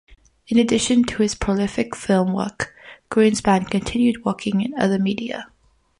In addition to his prolific film work, Greenspan continued working in other media.